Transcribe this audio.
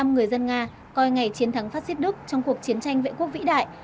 sáu mươi năm người dân nga coi ngày chiến thắng phát xít đức trong cuộc chiến tranh vệ quốc vĩ đại